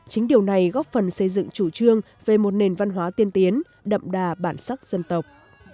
chính điều này góp phần xây dựng chủ trương về một nền văn hóa tiên tiến đậm đà bản sắc dân tộc